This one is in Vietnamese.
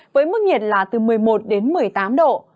với mức nhiệt là từ một mươi một đến một mươi tám độ